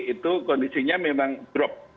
itu kondisinya memang drop